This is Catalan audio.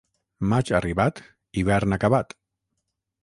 Maig arribat, hivern acabat.